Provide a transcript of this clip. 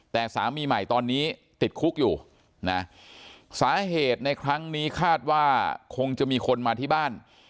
แต่สามีใหม่ตอนนี้ติดคุกอยู่นะสาเหตุในครั้งนี้คาดว่าคงจะมีคนมาที่บ้าน